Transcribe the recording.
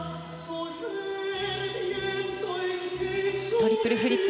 トリプルフリップ。